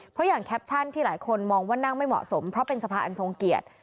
เพราะอย่างแคปชั่นที่หลายคนมองว่านั่งไม่เหมาะสมเพราะเป็นสภาอันทรงเกียรติ